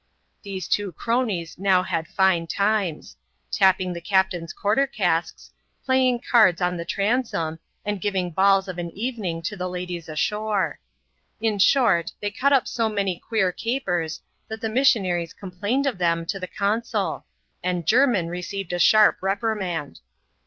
These two cronies now had fine times ; tapping the captain's quarter casks, playing cards on the transom, and giving balls of an evening to the ladies ashore. In short, they cut up so many queer capers, that the missionaries complained of them to the consul ; and Jermin received a sharp reprimand.